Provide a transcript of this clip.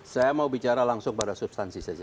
saya mau bicara langsung pada substansi saja